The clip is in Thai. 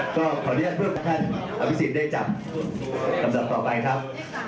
ขอบคุณครับสวัสดีครับโดยเชิญแค่คุณสามสมศาลนะครับ